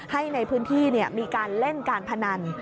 ให้ในพื้นที่มีการเล่นการพนัน